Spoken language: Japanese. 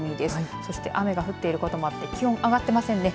そして、雨が降っていることもあって気温上がっていませんね。